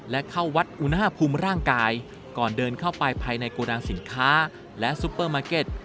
และเข้าวัดอุณหภูมิร่างกายก่อนเดินเข้าไปภายในโกดังสินค้าและซุปเปอร์มาร์เก็ต